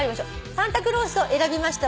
「サンタクロース」を選びました